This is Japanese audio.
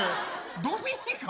ドミニカ。